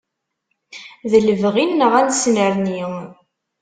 I lebɣi-nneɣ ad nessnerni.